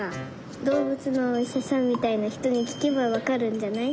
どうぶつのおいしゃさんみたいなひとにきけばわかるんじゃない？